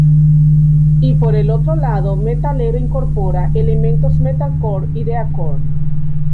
Y por el otro lado metalero incorpora elementos metalcore y deathcore.